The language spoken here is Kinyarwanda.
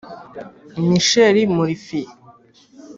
Michael Murphy